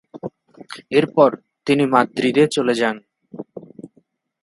এরপর তিনি মাদ্রিদে চলে যান।